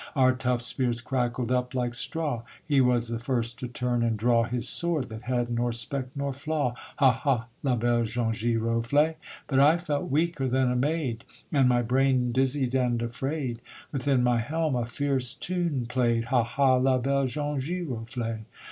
_ Our tough spears crackled up like straw; He was the first to turn and draw His sword, that had nor speck nor flaw; Hah! hah! la belle jaune giroflée. But I felt weaker than a maid, And my brain, dizzied and afraid, Within my helm a fierce tune play'd, _Hah! hah! la belle jaune giroflée.